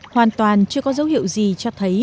hoàn toàn chưa có dấu hiệu gì cho thấy